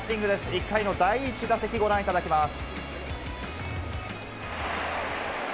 １回の第１打席をご覧いただきます。